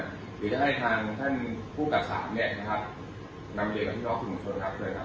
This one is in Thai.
หรือจะให้ทางท่านผู้กัดสารนำเนรยกับพี่น้องผู้โหมะชนครับ